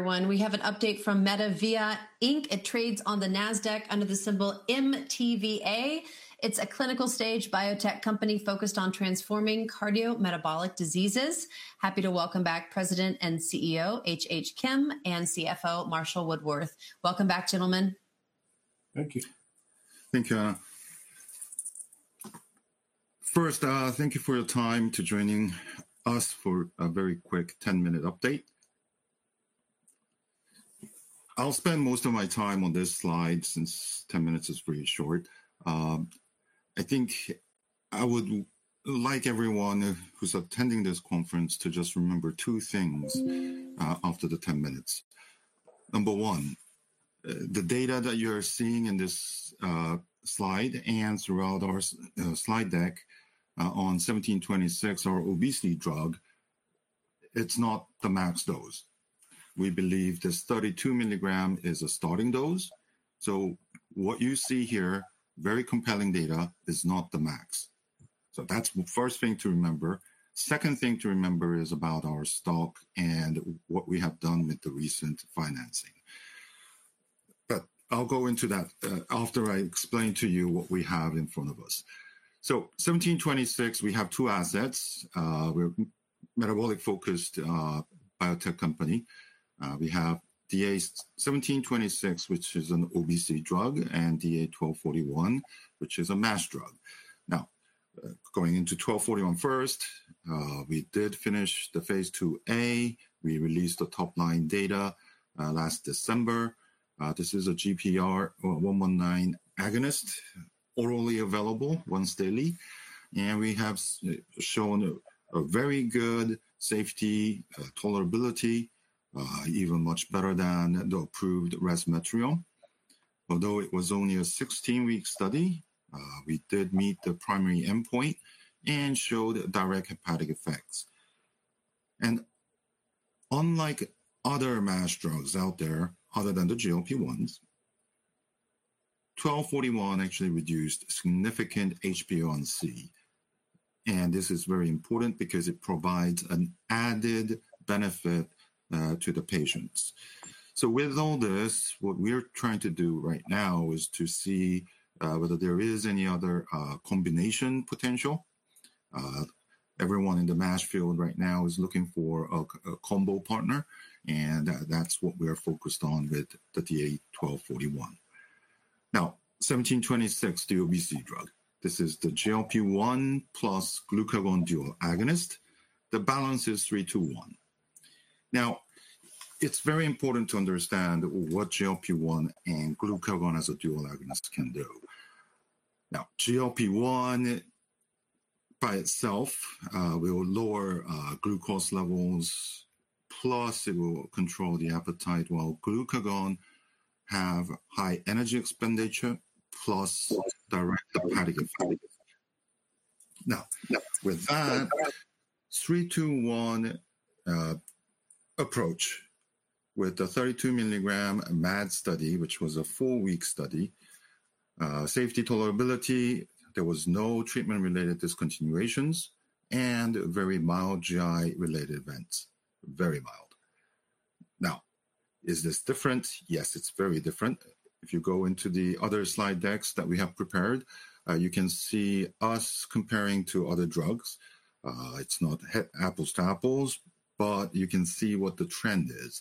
Everyone, we have an update from MetaVia. It trades on the Nasdaq under the symbol MTVA. It's a clinical stage biotech company focused on transforming cardiometabolic diseases. Happy to welcome back President and CEO H.H. Kim and CFO Marshall Woodworth. Welcome back, gentlemen. Thank you. Thank you. First, thank you for your time to joining us for a very quick 10-minute update. I'll spend most of my time on this slide since 10 minutes is pretty short. I think I would like everyone who's attending this conference to just remember two things after the 10 minutes. Number one, the data that you're seeing in this slide and throughout our slide deck on 1726, our obesity drug, it's not the max dose. We believe this 32 mg is a starting dose. What you see here, very compelling data, is not the max. That's the first thing to remember. Second thing to remember is about our stock and what we have done with the recent financing. I'll go into that after I explain to you what we have in front of us. 1726, we have two assets. We're a metabolic-focused biotech company. We have DA-1726, which is an obesity drug, and DA-1241, which is a MASH drug. Now, going into 1241 first, we did finish the phase 2a. We released the top-line data last December. This is a GPR119 agonist, orally available once daily. We have shown a very good safety tolerability, even much better than the approved Resmetirom. Although it was only a 16-week study, we did meet the primary endpoint and showed direct hepatic effects. Unlike other MASH drugs out there, other than the GLP-1s, 1241 actually reduced significant HbA1c. This is very important because it provides an added benefit to the patients. With all this, what we are trying to do right now is to see whether there is any other combination potential. Everyone in the MASH field right now is looking for a combo partner. That's what we're focused on with the DA-1241. Now, 1726, the obesity drug. This is the GLP-1 plus glucagon dual agonist. The balance is 3:1. Now, it's very important to understand what GLP-1 and glucagon as a dual agonist can do. Now, GLP-1 by itself will lower glucose levels, plus it will control the appetite, while glucagon has high energy expenditure, plus direct hepatic effect. Now, with that 3:1 approach, with the 32 mg MAD study, which was a four-week study, safety tolerability, there were no treatment-related discontinuations and very mild GI-related events. Very mild. Now, is this different? Yes, it's very different. If you go into the other slide decks that we have prepared, you can see us comparing to other drugs. It's not apples to apples, but you can see what the trend is.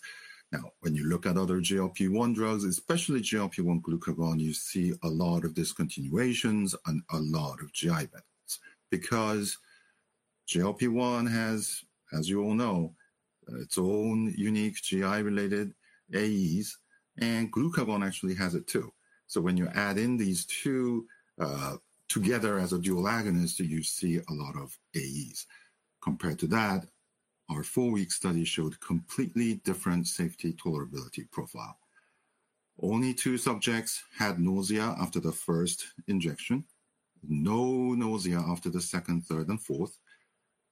Now, when you look at other GLP-1 drugs, especially GLP-1 glucagon, you see a lot of discontinuations and a lot of GI events. Because GLP-1 has, as you all know, its own unique GI-related AEs, and glucagon actually has it too. When you add in these two together as a dual agonist, you see a lot of AEs. Compared to that, our four-week study showed a completely different safety tolerability profile. Only two subjects had nausea after the first injection. No nausea after the second, third, and fourth.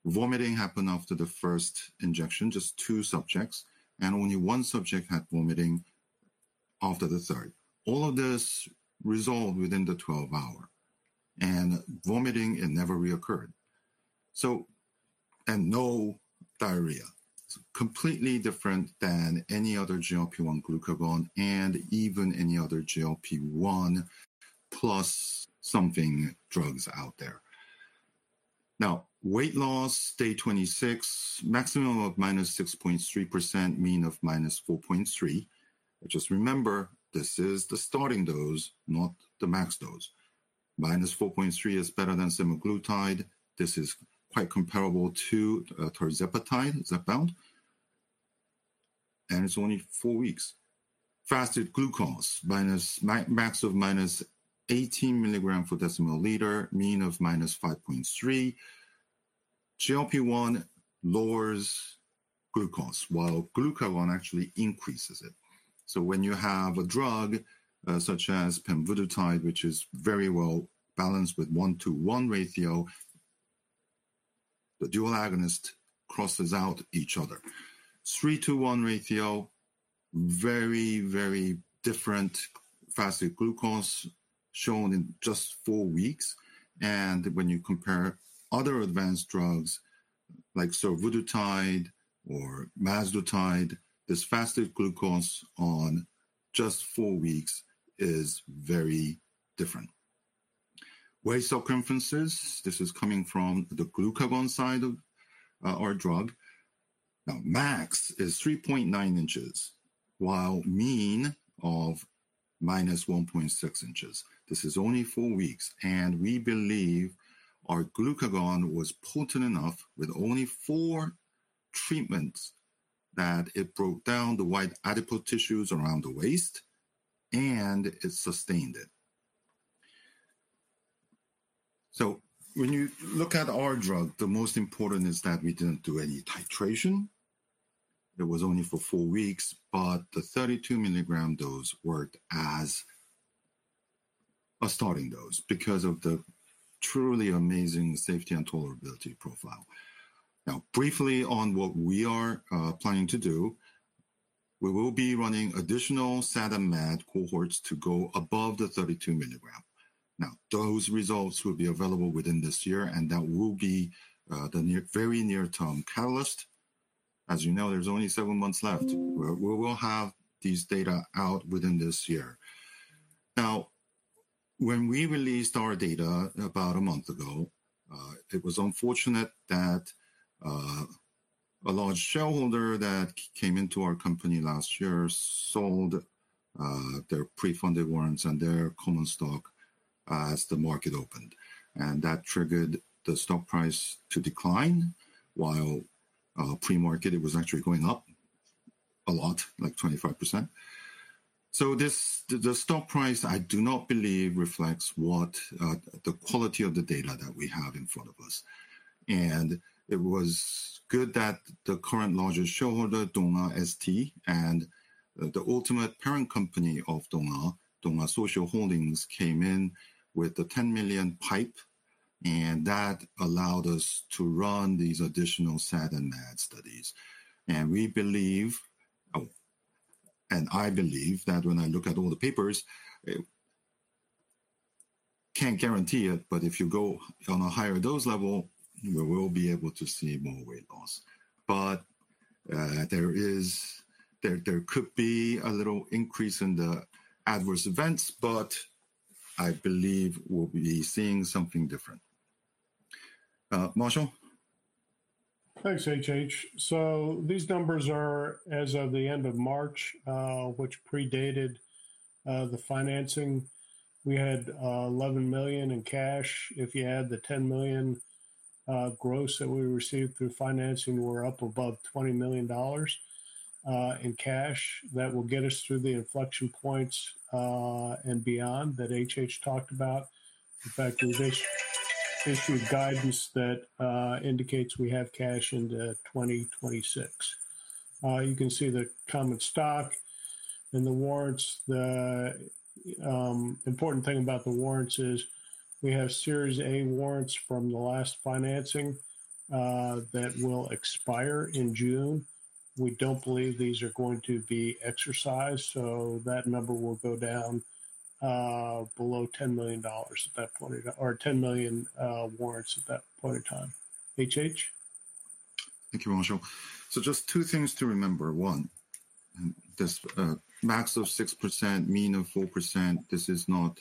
Vomiting happened after the first injection, just two subjects. Only one subject had vomiting after the third. All of this resolved within the 12-hour. Vomiting never reoccurred. No diarrhea. It is completely different than any other GLP-1/glucagon and even any other GLP-1 plus something drugs out there. Now, weight loss, day 26, maximum of -6.3%, mean of -4.3%. Just remember, this is the starting dose, not the max dose. -4.3% is better than Semaglutide. This is quite comparable to tirzepatide, Zepbound. It is only four weeks. Fasted glucose, max of -18 mg/dL, mean of -5.3. GLP-1 lowers glucose, while glucagon actually increases it. When you have a drug such as pemvidutide, which is very well balanced with 1:1 ratio, the dual agonist crosses out each other. 3:1 ratio, very, very different fasted glucose shown in just four weeks. When you compare other advanced drugs like survodutide or mazdutide, this fasted glucose on just four weeks is very different. Waist circumference, this is coming from the glucagon side of our drug. Now, max is -3.9 inches, while mean of -1.6 inches. This is only four weeks. We believe our glucagon was potent enough with only four treatments that it broke down the white adipose tissues around the waist, and it sustained it. When you look at our drug, the most important is that we did not do any titration. It was only for four weeks, but the 32 mg dose worked as a starting dose because of the truly amazing safety and tolerability profile. Briefly on what we are planning to do, we will be running additional SADA-MAD cohorts to go above the 32 mg. Those results will be available within this year, and that will be the very near-term catalyst. As you know, there are only seven months left. We will have these data out within this year. Now, when we released our data about a month ago, it was unfortunate that a large shareholder that came into our company last year sold their pre-funded warrants and their common stock as the market opened. That triggered the stock price to decline, while pre-market, it was actually going up a lot, like 25%. The stock price, I do not believe, reflects the quality of the data that we have in front of us. It was good that the current largest shareholder, Dong-A ST, and the ultimate parent company of Dong-A, Dong-A Socio Holdings, came in with the $10 million PIPE. That allowed us to run these additional SADA-MAD studies. We believe, and I believe that when I look at all the papers, cannot guarantee it, but if you go on a higher dose level, we will be able to see more weight loss. There could be a little increase in the adverse events, but I believe we'll be seeing something different. Marshall? Thanks, H.H. So these numbers are as of the end of March, which predated the financing. We had $11 million in cash. If you add the $10 million gross that we received through financing, we're up above $20 million in cash. That will get us through the inflection points and beyond that H.H. talked about. In fact, we just issued guidance that indicates we have cash into 2026. You can see the common stock and the warrants. The important thing about the warrants is we have Series A warrants from the last financing that will expire in June. We don't believe these are going to be exercised. So that number will go down below 10 million at that point, or 10 million warrants at that point in time. H.H.? Thank you, Marshall. So just two things to remember. One, this max of 6%, mean of 4%, this is not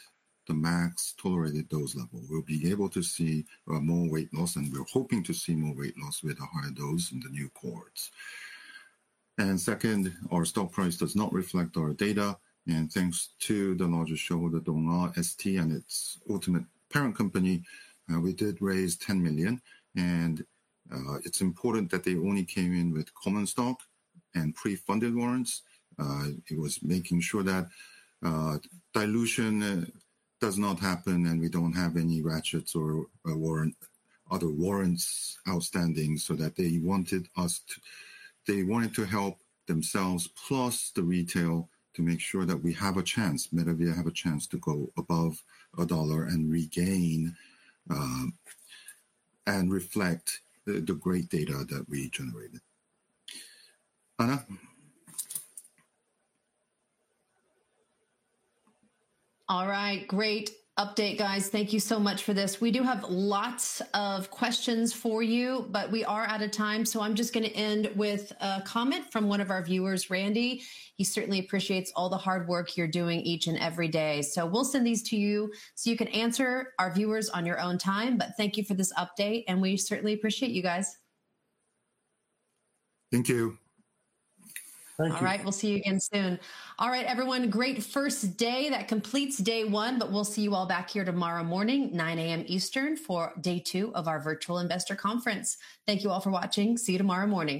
the max tolerated dose level. We'll be able to see more weight loss, and we're hoping to see more weight loss with a higher dose in the new cohorts. Second, our stock price does not reflect our data. Thanks to the largest shareholder, Dong-A ST, and its ultimate parent company, we did raise $10 million. It's important that they only came in with common stock and pre-funded warrants. It was making sure that dilution does not happen and we do not have any ratchets or other warrants outstanding so that they wanted us to, they wanted to help themselves, plus the retail, to make sure that we have a chance, MetaVia have a chance to go above a dollar and regain and reflect the great data that we generated. Anna. All right, great update, guys. Thank you so much for this. We do have lots of questions for you, but we are out of time. I am just going to end with a comment from one of our viewers, Randy. He certainly appreciates all the hard work you are doing each and every day. We will send these to you so you can answer our viewers on your own time. Thank you for this update, and we certainly appreciate you guys. Thank you. Thank you. All right, we'll see you again soon. All right, everyone, great first day. That completes day one, but we'll see you all back here tomorrow morning, 9:00 A.M. Eastern, for day two of our virtual investor conference. Thank you all for watching. See you tomorrow morning.